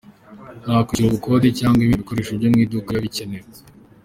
Nta kwishyura ubukode cyangwa ibindi bikoresho byo mw'iduka biba bikenewe.